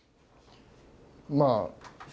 まあ。